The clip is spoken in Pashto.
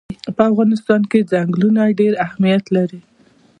په افغانستان کې ځنګلونه ډېر اهمیت لري.